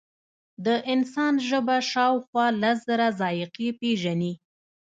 د انسان ژبه شاوخوا لس زره ذایقې پېژني.